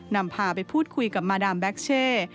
นำพาไปพูดคุยกับมาดามแบ็คเช่